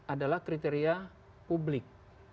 adalah kriteria publik